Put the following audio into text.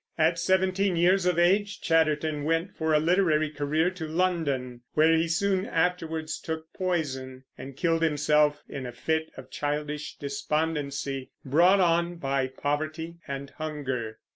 At seventeen years of age Chatterton went for a literary career to London, where he soon afterwards took poison and killed himself in a fit of childish despondency, brought on by poverty and hunger.